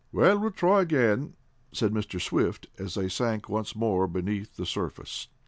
"Well, we'll try again," said Mr. Swift, as they sank once more beneath the surface.